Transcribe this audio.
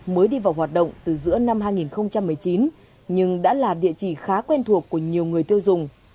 mới đi vào hoạt động từ giữa năm hai nghìn một mươi chín nhưng đã là địa chỉ khá quen thuộc của nhiều người tiêu dùng